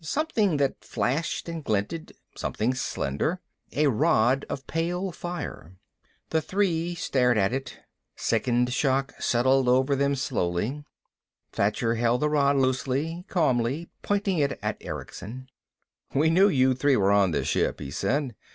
Something that flashed and glinted, something slender. A rod of pale fire. The three stared at it. Sickened shock settled over them slowly. Thacher held the rod loosely, calmly, pointing it at Erickson. "We knew you three were on this ship," he said.